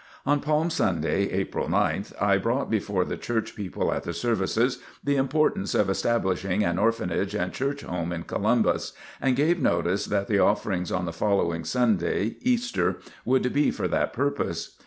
On Palm Sunday, (April 9th) I brought before the Church people at the services, the importance of establishing an Orphanage and Church Home in Columbus, and gave notice that the offerings on the following Sunday (Easter) would be for that purpose.